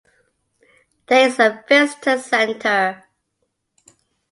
There is a Visitor Center.